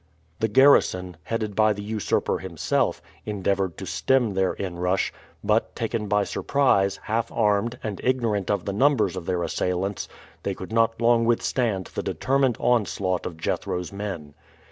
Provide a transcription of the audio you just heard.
The garrison, headed by the usurper himself, endeavored to stem their inrush; but, taken by surprise, half armed, and ignorant of the numbers of their assailants, they could not long withstand the determined onslaught of Jethro's men.